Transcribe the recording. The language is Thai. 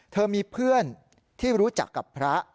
เธอมีเพื่อนที่รู้จักกับพระ